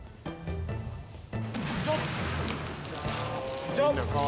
こんにちは！